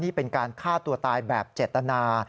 นี่เป็นการฆ่าตัวตายแบบเจตนา